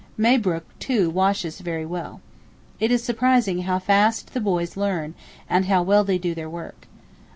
Mabrook too washes very well. It is surprising how fast the boys learn, and how well they do their work.